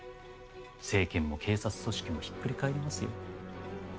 政権も警察組織もひっくり返りますよ。